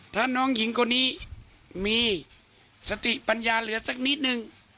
ถ้าน้องหญิงคนนี้มีสติปัญญาเหลือสักนิดนึง